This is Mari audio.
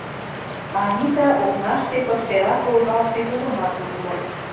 Анита окнаште пыкшерак волгалтше тулымат ужо.